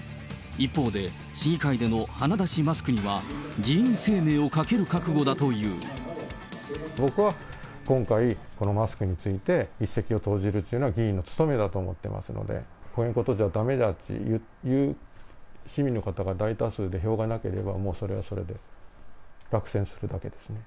一方で、市議会での鼻出しマスクには、僕は今回、このマスクについて一石を投じるっていうのは、議員の務めだと思ってますので、こんなことじゃだめだという市民の方が大多数で、票がなければ、それはそれで落選するだけですね。